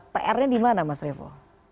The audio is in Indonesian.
pr nya dimana mas revo